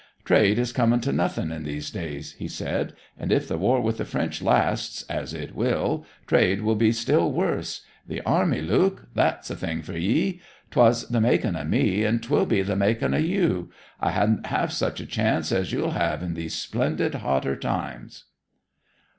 'Trade is coming to nothing in these days,' he said. 'And if the war with the French lasts, as it will, trade will be still worse. The army, Luke that's the thing for 'ee. 'Twas the making of me, and 'twill be the making of you. I hadn't half such a chance as you'll have in these splendid hotter times.'